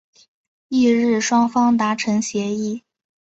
翌日双方达成协议。